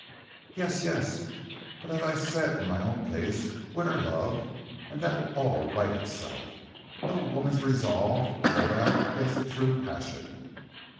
"Yes, yes; but as I said in my own case, win her love and that will all right itself. No woman's resolve will hold out against a true passion."